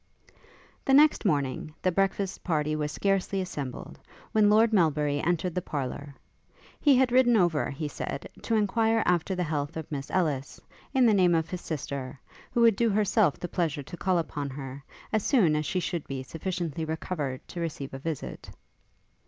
The next morning, the breakfast party was scarcely assembled, when Lord Melbury entered the parlour. He had ridden over, he said, to enquire after the health of Miss Ellis, in the name of his sister, who would do herself the pleasure to call upon her, as soon as she should be sufficiently recovered to receive a visit.